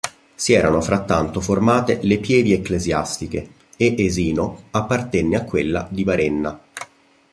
Si erano frattanto formate le Pievi Ecclesiastiche; e Esino appartenne a quella di Varenna.